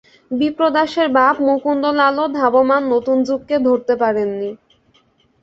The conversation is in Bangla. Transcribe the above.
বিপ্রদাসের বাপ মুকুন্দলালও ধাবমান নতুন যুগকে ধরতে পারেন নি।